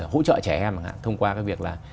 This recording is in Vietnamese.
hỗ trợ trẻ em thông qua cái việc là